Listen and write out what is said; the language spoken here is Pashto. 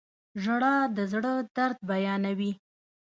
• ژړا د زړه درد بیانوي.